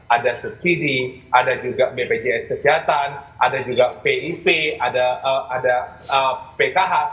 ada subsidi ada juga bpjs kesehatan ada juga pip ada pkh